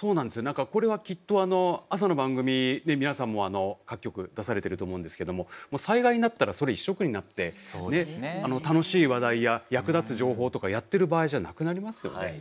何かこれはきっと朝の番組皆さんも各局出されてると思うんですけどももう災害になったらそれ一色になって楽しい話題や役立つ情報とかやってる場合じゃなくなりますよね。